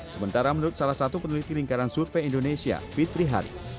sementara menurut salah satu peneliti lingkaran survei indonesia fitri hari